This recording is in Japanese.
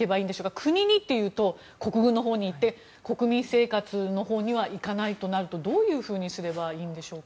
国にというと国軍のほうにいって国民生活のほうにはいかないとなるとどういうふうにすればいいんでしょうか。